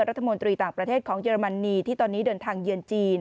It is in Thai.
รัฐมนตรีต่างประเทศของเยอรมนีที่ตอนนี้เดินทางเยือนจีน